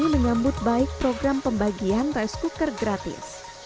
menyambut baik program pembagian rice cooker gratis